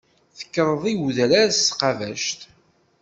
Tekkreḍ i wedrar s tqabact.